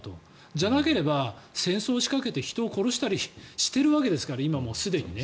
じゃなければ、戦争を仕掛けて人を殺したりしているわけですから今もすでに。